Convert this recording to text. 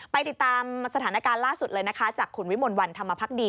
ติดตามสถานการณ์ล่าสุดเลยนะคะจากคุณวิมลวันธรรมพักดี